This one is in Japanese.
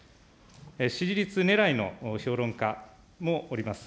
支持率狙いの評論家もおります。